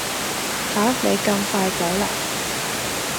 吓你咁快走啦？